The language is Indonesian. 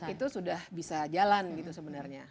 itu sudah bisa jalan gitu sebenarnya